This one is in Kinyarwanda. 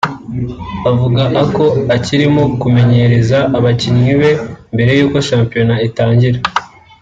avuga ako akirimo kumenyereza abakinnyi be mbere y’uko shampiyona itangira